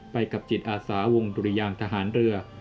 ไปกับจิตอาสาวงดุรยางทหารเรือ